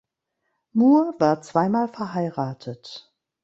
Moore war zweimal verheiratet.